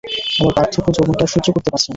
আমার বার্ধক্য যৌবনকে আর সহ্য করতে পারছে না।